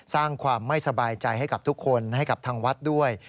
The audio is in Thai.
สร้างความไม่สบายใจให้กับทุกคนให้กับทางวัดด้วย